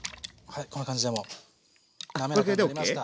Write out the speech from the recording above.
こんな感じでもう滑らかになりました。